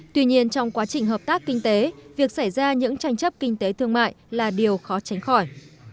tuy nhiên trong quá trình hợp tác kinh tế việc xảy ra những tranh chấp kinh tế thương mại là điều khó tránh khỏi